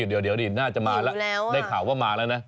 เดี๋ยวน่าจะมาแล้วได้ข่าวว่ามาแล้วนะ